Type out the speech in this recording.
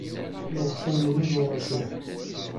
Nuɣ tannumi d uṛaǧu.